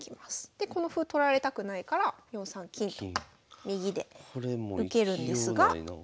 でこの歩取られたくないから４三金右で受けるんですが。